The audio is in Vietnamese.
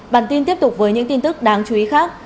bản tin tiếp tục với những tin tức đáng chú ý khác